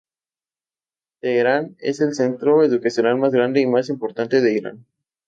Teherán es el centro educacional más grande y más importante de Irán.